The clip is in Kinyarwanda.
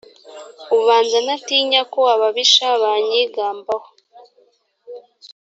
ubanza ntatinya ko ababisha banyigambaho.